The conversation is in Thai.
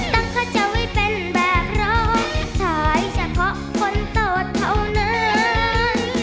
ตั้งข้าจะไม่เป็นแบบเราถ้าให้ฉันขอคนโสดเท่านั้น